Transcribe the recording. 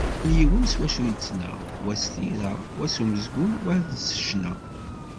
Yal yiwen s wacu yettnaɣ, wa s tira, wa s umezgun, wayeḍ s ccna.